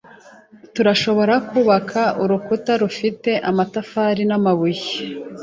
Turashobora kubaka urukuta rufite amatafari n'amabuye.